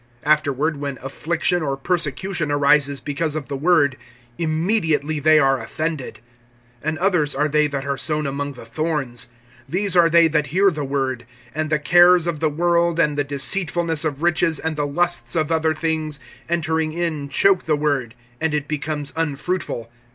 Afterward, when affliction or persecution arises because of the word, immediately they are offended. (18)And others are they that are sown among the thorns. These are they that hear the word, (19)and the cares of the world, and the deceitfulness of riches, and the lusts of other things, entering in choke the word, and it becomes unfruitful.